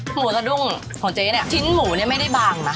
หมูสะดุ้งของเจ๊ชิ้นหมูไม่ได้บางนะ